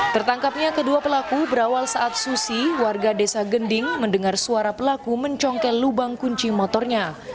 tertangkapnya kedua pelaku berawal saat susi warga desa gending mendengar suara pelaku mencongkel lubang kunci motornya